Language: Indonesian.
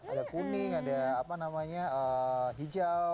ada kuning ada apa namanya hijau